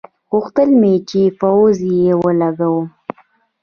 غوښتل مې چې فيوز يې ولګوم.